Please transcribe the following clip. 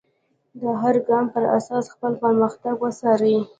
د هر ګام پر اساس خپل پرمختګ وڅارئ.